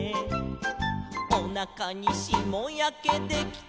「おなかにしもやけできたとさ」